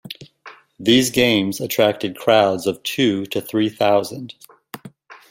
These games attracted crowds of two to three thousand.